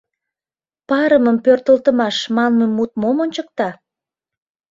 «Парымым пӧртылтымаш» манме мут мом ончыкта?